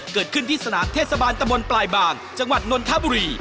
เกิดขึ้นที่สนามเทศบาลตะบนปลายบางจังหวัดนนทบุรี